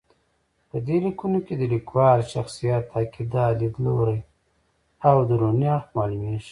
په دې لیکنو کې د لیکوال شخصیت، عقیده، لید لوری او دروني اړخ معلومېږي.